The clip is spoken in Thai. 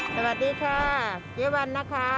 สวัสดีค่ะเจ๊วันนะคะ